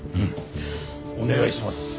お願いします。